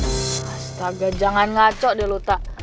astaga jangan ngaco deh lu tak